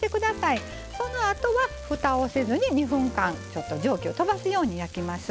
そのあとはふたをせずに２分間ちょっと蒸気をとばすように焼きます。